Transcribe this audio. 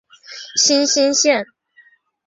新兴线